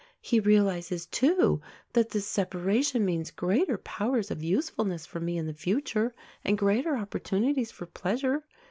He realizes, too, that this separation means greater powers of usefulness for me in the future, and greater opportunities for pleasure.